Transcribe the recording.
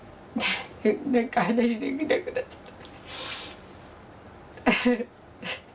何か話できなくなっちゃった。